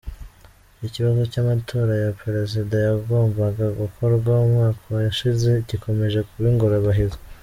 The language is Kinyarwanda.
Ikibazo cy’amatora ya Perezida yagombaga gukorwa umwaka ushize gikomeje kuba ingorabahizi.